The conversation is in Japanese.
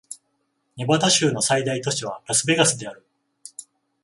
ネバダ州の最大都市はラスベガスである